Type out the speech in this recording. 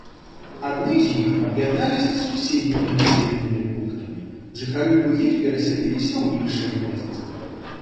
Адны з іх аб'ядналіся з суседнімі населенымі пунктамі, жыхары другіх перасяліліся ў іншыя месцы.